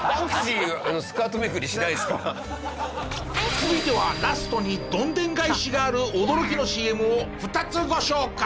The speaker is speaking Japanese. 続いてはラストにどんでん返しがある驚きのＣＭを２つご紹介！